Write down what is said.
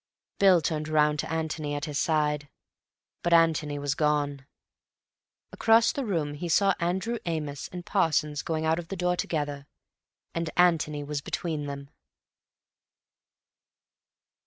Bill turned round to Antony at his side. But Antony was gone. Across the room he saw Andrew Amos and Parsons going out of the door together, and Antony was between them.